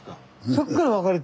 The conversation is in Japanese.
そっから分かれて。